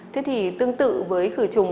thế thì tương tự với